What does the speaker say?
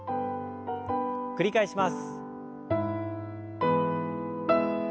繰り返します。